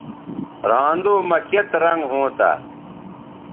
رھاندو مہ کیئت رنگ ھونتہ